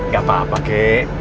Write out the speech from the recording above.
gak apa apa kek